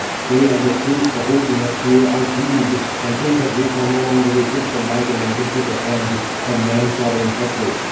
They, of a truth, beholding us here, are grieved, and think that we shall no longer resist the might and invincible hands of man slaughtering Hector.